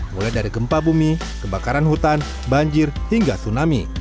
mulai dari gempa bumi kebakaran hutan banjir hingga tsunami